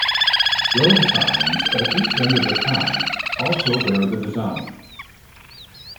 Roadsigns at each end of the town also bear the design.